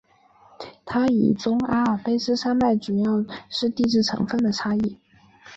它与中阿尔卑斯山脉主要是地质成分的差异。